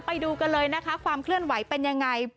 ไปดูกันเลยนะคะความเคลื่อนไหวเป็นยังไง